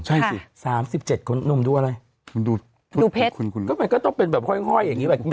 หลักนะคุณหนุ่ม๓๗คุณหนุ่มดูอะไรดูเพชรมันก็ต้องเป็นแบบห้อยอย่างนี้แบบ